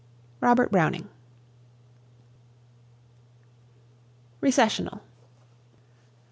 ROBERT BROWNING. RECESSIONAL.